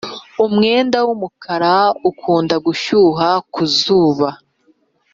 umwenda wumukara ukunda gushyuha kuzuba